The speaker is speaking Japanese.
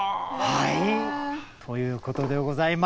はいということでございます。